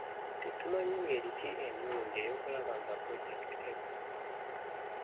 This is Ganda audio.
Tetumanyi ngeri ki ennungi ey'okulaba nga pulojekiti eggwa.